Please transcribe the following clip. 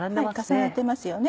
重なっていますよね。